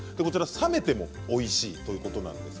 冷めてもおいしいということなんです。